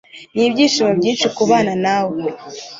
Nibyishimo byinshi kubana nawe